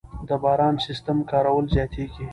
د باراني سیستم کارول زیاتېږي.